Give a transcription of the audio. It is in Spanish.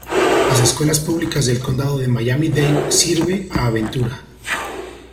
Las Escuelas Públicas del Condado de Miami-Dade sirve a Aventura.